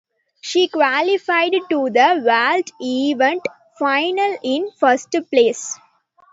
She qualified to the vault event final in first place.